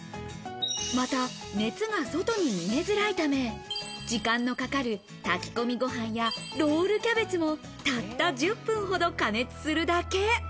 また熱が外に逃げづらいため、時間のかかる炊き込みご飯や、ロールキャベツもたった１０分ほど加熱するだけ。